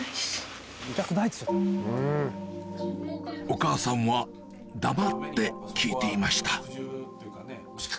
お母さんは黙って聞いていました